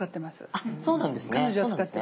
あっそうなんですね。